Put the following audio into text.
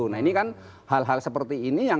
nah ini kan hal hal seperti ini yang